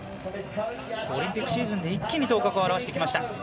オリンピックシーズンで一気に頭角を現してきました。